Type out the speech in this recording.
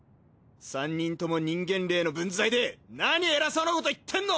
３人とも人間霊の分際でなに偉そうなこと言ってんの！